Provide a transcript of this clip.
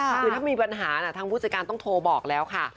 คือถ้ามีปัญหาทางผู้จัดการต้องโทรบอกแล้วค่ะ